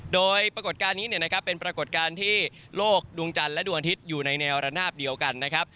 โดยปรากฏการณ์นี้เป็นปรากฏการณ์ที่โลกดวงจันทร์และดวงอาทิตย์อยู่ในแนวระนาบเดียวกันนะครับ